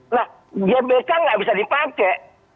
nah gbk nggak bisa dipakai